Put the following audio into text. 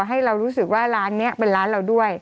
ให้เรารู้สึกว่าร้านนี้เป็นร้านเราด้วย